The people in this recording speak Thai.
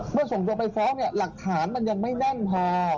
ส่งตัวไปฟ้องเนี่ยหลักฐานมันยังไม่แน่นพอ